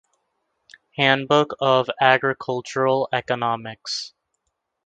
"Handbook of Agricultural Economics".